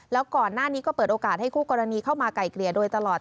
แล้วก่อนหน้านี้ก็เปิดโอกาสให้คู่กรณีเข้ามาไก่เกลี่ยโดยตลอด